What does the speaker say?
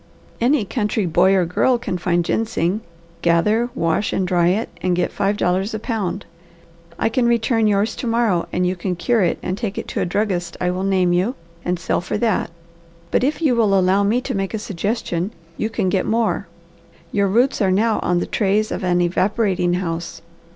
"Any country boy or girl can find ginseng, gather, wash, and dry it, and get five dollars a pound. I can return yours to morrow and you can cure and take it to a druggist I will name you, and sell for that. But if you will allow me to make a suggestion, you can get more. Your roots are now on the trays of an evaporating house.